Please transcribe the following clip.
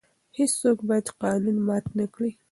هیڅوک باید قانون مات نه کړي.